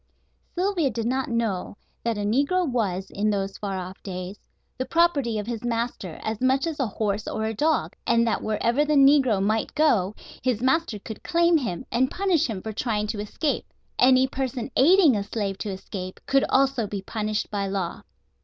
Sylvia did not know that a negro was, in those far off days, the property of his master as much as a horse or a dog, and that wherever the negro might go his master could claim him and punish him for trying to escape. Any person aiding a slave to escape could also be punished by law.